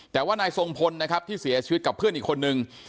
แต่ว่านายทรงพลนะครับที่เสียชีวิตกับเพื่อนอีกคนนึง